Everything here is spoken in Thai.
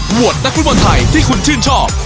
โหวดนักผู้บอลไทยที่คุณชื่นชอบ